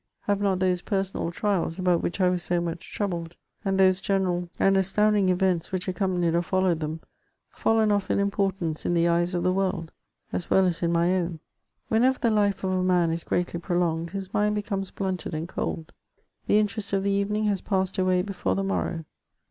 Have not those personal trials, about which I was so much troubled, and those general and astounding events which accompanied or followed them, fallen off in importance in the eyes of the world, as well as in my own ? Whenever the life of a man is greatly prolonged, his mind becomes blunted and cold ; the interest of the evening has passed away before the morrow.